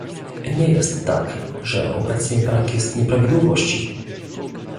Nie jest tak, że obecnie brak jest nieprawidłowości